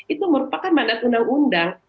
itu merupakan mandat undang undang